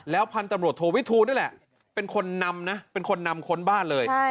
แล้วพันธ์ตำรวจโทรวิทูลนี่แหละเป็นคนนำค้นบ้านเลย